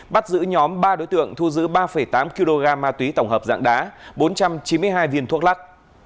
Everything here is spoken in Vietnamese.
bắt giữ nhóm ba đối tượng thu giữ ba tám kg ma túy tổng hợp dạng đá bốn trăm chín mươi hai viên thuốc lắc